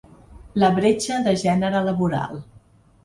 La bretxa de gènere laboral.